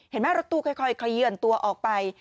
เห็นไหมรถตู้ค่อยเขยื่อนตัวออกไป